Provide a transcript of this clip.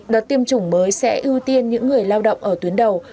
đợt tiêm chủng mới sẽ ưu tiên những người lao động ở tuyến đầu